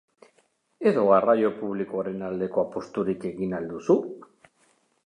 Edo garraio publikoaren aldeko aposturik egin al duzu?